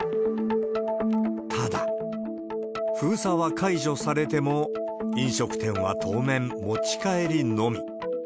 ただ、封鎖は解除されても、飲食店は当面、持ち帰りのみ。